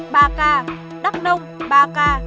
bà ca đắk nông ba ca